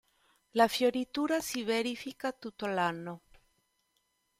La fioritura si verifica tutto l'anno.